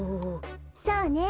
そうね。